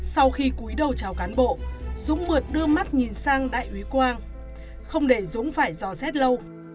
sau khi cúi đầu trào cán bộ dũng mượt đưa mắt nhìn sang đại úy quang không để dũng phải dò xét lâu